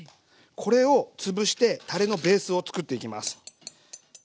これを潰してたれのベースを作っていきます。